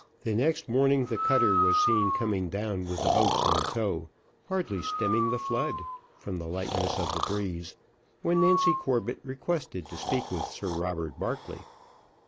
Next morning the cutter was seen coming down with the boats in tow, hardly stemming the flood, from the lightness of the breeze, when Nancy Corbett requested to speak with Sir Robert Barclay.